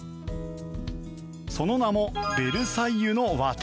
その名もベルサイユのわた。